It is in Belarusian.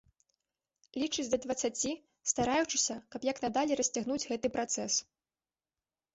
Лічыць да дваццаці, стараючыся, каб як надалей расцягнуць гэты працэс.